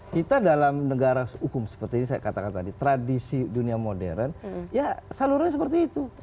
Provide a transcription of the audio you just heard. kita dalam negara hukum seperti ini saya katakan tadi tradisi dunia modern ya salurannya seperti itu